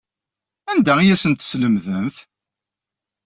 Anda ay asent-teslemdemt?